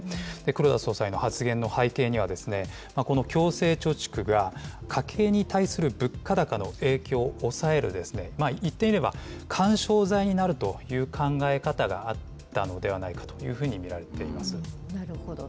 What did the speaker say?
黒田総裁の発言の背景には、この強制貯蓄が、家計に対する物価高の影響を抑える、言ってみれば、緩衝材になるという考え方があったのではないかというふうに見らなるほど。